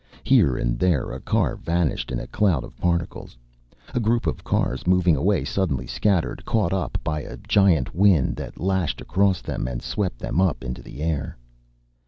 Here and there a car vanished in a cloud of particles. A group of cars moving away suddenly scattered, caught up by a giant wind that lashed across them and swept them up into the air.